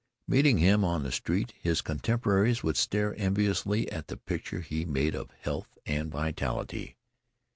Meeting him on the street, his contemporaries would stare enviously at the picture he made of health and vitality.